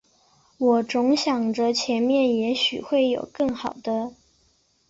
我总想着前面也许会有更好的